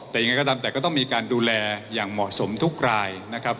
แต่ยังไงก็ตามแต่ก็ต้องมีการดูแลอย่างเหมาะสมทุกรายนะครับ